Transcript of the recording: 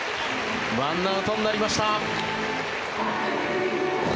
１アウトになりました。